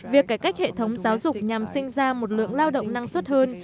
việc cải cách hệ thống giáo dục nhằm sinh ra một lượng lao động năng suất hơn